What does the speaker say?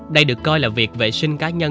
đây được coi là việc vệ sinh cá nhân